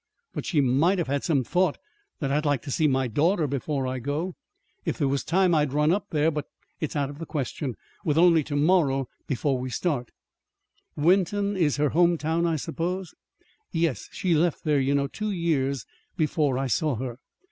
But she might have had some thought that I'd like to see my daughter before I go. If there was time I'd run up there. But it's out of the question with only to morrow before we start." "Wenton is her home town, I suppose." "Yes. She left there, you know, two years before I saw her.